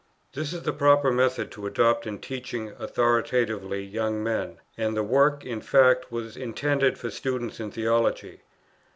This is the proper method to adopt in teaching authoritatively young men; and the work in fact was intended for students in theology.